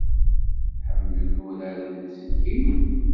Tḥemmlem uraren n uselkim?